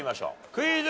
クイズ。